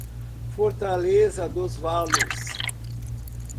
Fortaleza dos Valos